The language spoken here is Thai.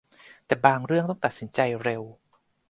แต่บางเรื่องต้องตัดสินใจเร็ว